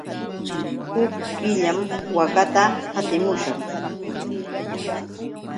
Huk killam waakata qatimushaq.